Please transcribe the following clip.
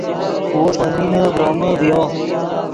وو ݰے خوئے نینے ڤرومے ڤیو